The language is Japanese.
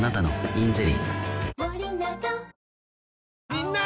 みんな！